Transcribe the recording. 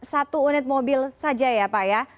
satu unit mobil saja ya pak ya